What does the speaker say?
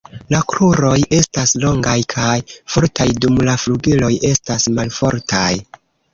La kruroj estas longaj kaj fortaj, dum la flugiloj estas malfortaj.